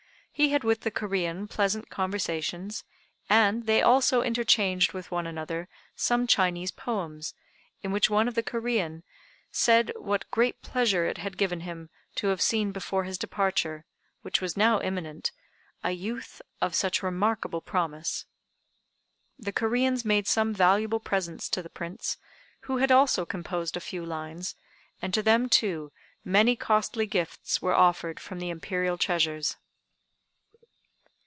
He had with the Corean pleasant conversations, and they also interchanged with one another some Chinese poems, in one of which the Corean said what great pleasure it had given him to have seen before his departure, which was now imminent, a youth of such remarkable promise. The Coreans made some valuable presents to the Prince, who had also composed a few lines, and to them, too, many costly gifts were offered from the Imperial treasures.